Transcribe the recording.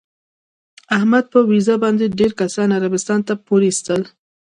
احمد په ویزه باندې ډېر کسان عربستان ته پورې ایستل.